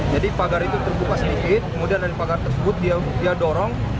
jadi pagar itu terbuka sedikit kemudian dari pagar tersebut dia dorong